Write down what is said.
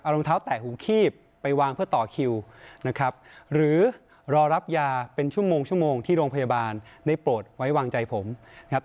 รองเท้าแตะหูคีบไปวางเพื่อต่อคิวนะครับหรือรอรับยาเป็นชั่วโมงชั่วโมงที่โรงพยาบาลได้โปรดไว้วางใจผมนะครับ